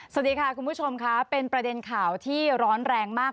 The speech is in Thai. สวัสดีค่ะคุณผู้ชมค่ะเป็นประเด็นข่าวที่ร้อนแรงมาก